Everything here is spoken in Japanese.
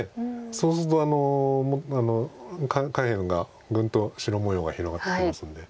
そうすると下辺がグンと白模様が広がってきますんで。